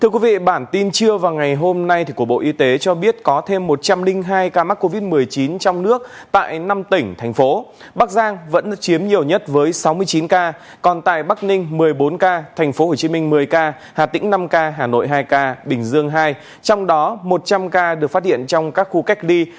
các bạn hãy đăng ký kênh để ủng hộ kênh của chúng mình nhé